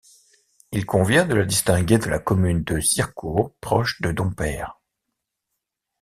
Il convient de la distinguer de la commune de Circourt proche de Dompaire.